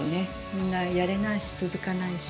みんなやれないし続かないし。